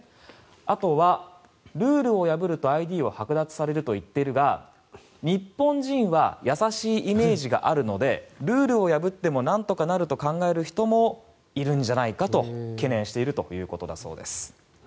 あとはルールを破るとＩＤをはく奪されると言っているが日本人は優しいイメージがあるのでルールを破ってもなんとかなると考える人もいるんじゃないかと懸念しているということだそうです。